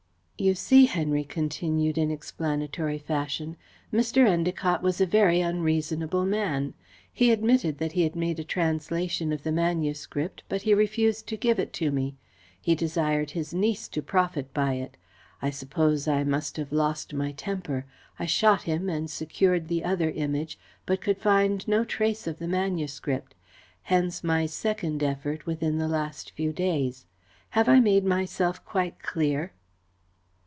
"You see," Henry continued, in explanatory fashion, "Mr. Endacott was a very unreasonable man. He admitted that he had made a translation of the manuscript, but he refused to give it to me. He desired his niece to profit by it. I suppose I must have lost my temper. I shot him and secured the other Image, but could find no trace of the manuscript. Hence my second effort within the last few days. Have I made myself quite clear?"